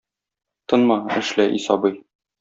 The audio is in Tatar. Тынма, эшлә, и сабый!